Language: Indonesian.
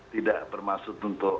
tidak bermaksud untuk